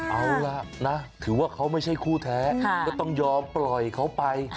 เอาล่ะนะถือว่าเขาไม่ใช่คู่แท้ก็ต้องยอมปล่อยเขาไป